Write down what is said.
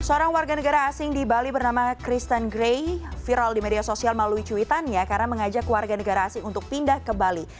seorang warga negara asing di bali bernama kristen gray viral di media sosial melalui cuitannya karena mengajak warga negara asing untuk pindah ke bali